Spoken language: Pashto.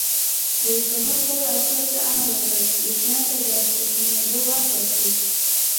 رئیس جمهور خپلو عسکرو ته امر وکړ؛ دښمن ته د تسلیمېدو وخت ورکړئ!